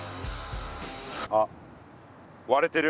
あっわれてる。